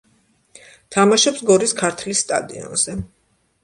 თამაშობს გორის „ქართლის“ სტადიონზე.